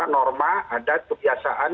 norma adat kebiasaan